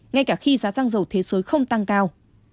ngay cả khi giá xăng dầu thế giới không tăng cao